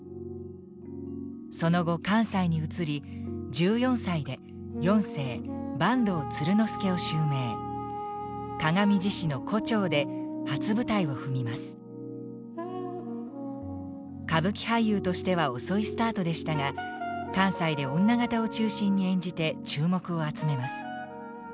その後関西に移り歌舞伎俳優としては遅いスタートでしたが関西で女形を中心に演じて注目を集めます。